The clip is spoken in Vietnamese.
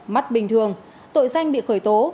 mắt bình thường tội danh bị khởi tố